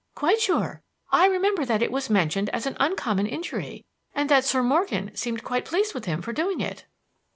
"Quite sure. I remember that it was mentioned as an uncommon injury, and that Sir Morgan seemed quite pleased with him for doing it."